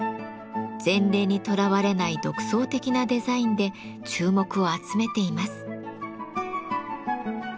前例にとらわれない独創的なデザインで注目を集めています。